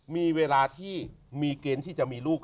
มีเวลาที่มีเกณฑ์ที่จะมีลูก